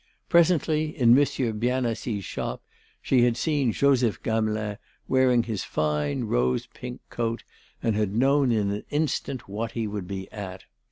Presently, in Monsieur Bienassis' shop, she had seen Joseph Gamelin, wearing his fine rose pink coat and had known in an instant what he would be at.